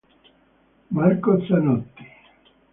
Marco Zanotti